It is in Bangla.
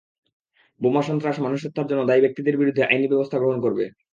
বোমা-সন্ত্রাস, মানুষ হত্যার জন্য দায়ী ব্যক্তিদের বিরুদ্ধে আইনি ব্যবস্থা গ্রহণ করবে।